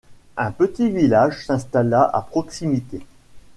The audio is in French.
Un petit village s'installa à proximité.